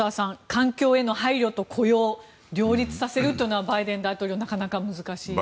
環境への配慮と雇用両立させるというのはバイデン大統領、なかなか難しいですね。